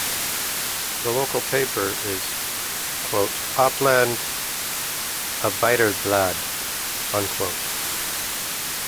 The local paper is the "Oppland Arbeiderblad".